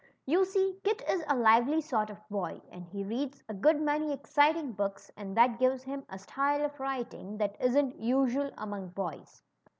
You see Kit is a lively sort of boy, and he reads a good many exciting books, and that gives him a style of writing that isn't usual among boys.